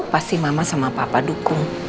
pasti mama sama papa dukung